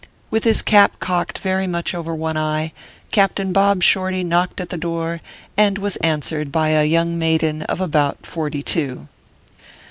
With his cap cocked very much over one eye, Captain Bob Shorty knocked at the door, and was answered by a young maiden of about forty two.